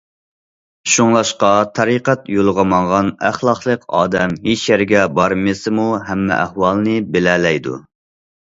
شۇڭلاشقا، تەرىقەت يولىغا ماڭغان ئەخلاقلىق ئادەم ھېچيەرگە بارمىسىمۇ ھەممە ئەھۋالنى بىلەلەيدۇ.